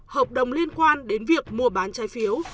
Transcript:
hợp đồng liên quan đến việc mua bán trái phiếu